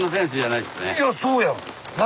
いやそうやん！